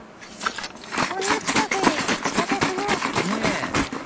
こんな近くに地下鉄も。